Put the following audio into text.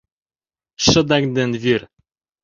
Шыдаҥ ден вир.